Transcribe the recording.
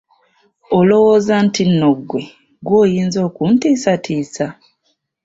Olowooza nno nti nno ggwe, ggwe oyinza okuntiisatiisa?